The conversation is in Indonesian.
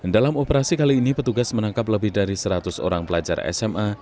dalam operasi kali ini petugas menangkap lebih dari seratus orang pelajar sma